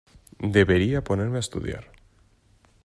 Debería ponerme a estudiar.